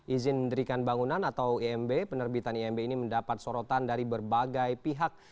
izin mendirikan bangunan atau imb penerbitan imb ini mendapat sorotan dari berbagai pihak